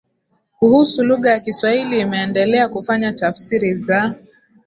kuhusu lugha ya Kiswahili Imeendelea kufanya tafsiri za